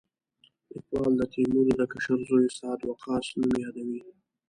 لیکوال د تیمور د کشر زوی سعد وقاص نوم یادوي.